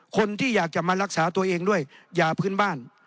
คนที่อยากจะมารักษาตัวเองด้วยยาพื้นบ้าน